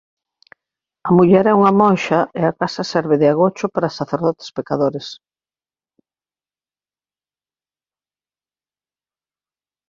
A muller á unha monxa e a casa serve de agocho para sacerdotes pecadores.